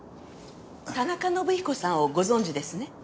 田中伸彦さんをご存じですね？